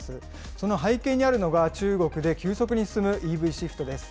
その背景にあるのが、中国で急速に進むＥＶシフトです。